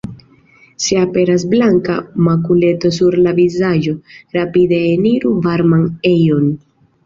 Se aperas blanka makuleto sur la vizaĝo, rapide eniru varman ejon.